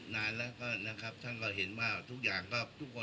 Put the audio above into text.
นะครับฉันก็